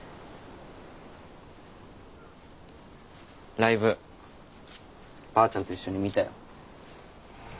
ライブばあちゃんと一緒に見たよ。